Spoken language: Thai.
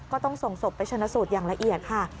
ก็ต้องส่งศพไปชนะสูตรอย่างละเอียดค่ะ